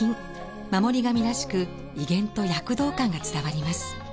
守り神らしく威厳と躍動感が伝わります。